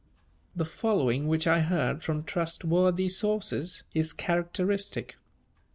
The following, which I heard from trustworthy sources, is characteristic.